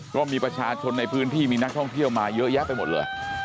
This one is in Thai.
เพราะมีประชาชนในพื้นที่มีนักท่องเที่ยวมาเยอะแยะไปหมดเลย